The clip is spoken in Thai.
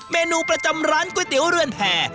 เมนูประจำร้านก๋วยเตี๋ยวเรือนแผ่